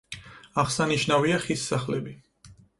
აღსანიშნავია ხის სახლები.